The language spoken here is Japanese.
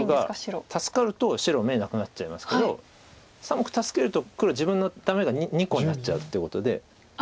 ３目が助かると白眼なくなっちゃいますけど３目助けると黒自分のダメが２個になっちゃうっていうことで。